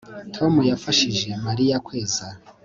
Tom yafashije Mariya kweza